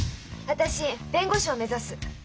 私弁護士を目指す。